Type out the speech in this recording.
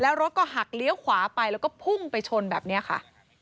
แล้วรถก็หักเลี้ยวขวาไปแล้วก็พุ่งไปชนแบบนี้ค่ะ